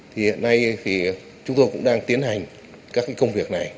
thì hiện nay thì chúng tôi cũng đang tiến hành các cái công việc này